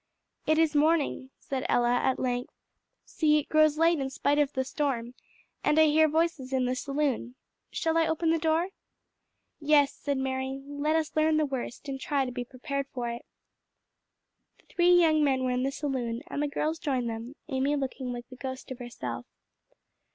"It is morning," said Ella at length; "see, it grows light in spite of the storm; and I hear voices in the saloon. Shall I open the door?" "Yes," said Mary, "let us learn the worst, and try to be prepared for it." The three young men were in the saloon, and the girls joined them, Amy looking like the ghost of herself.